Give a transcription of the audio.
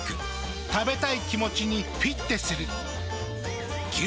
食べたい気持ちにフィッテする。